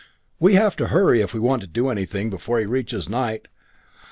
"We have to hurry if we want to do anything before he reaches night!